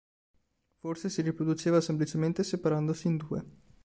Forse si riproduceva semplicemente separandosi in due.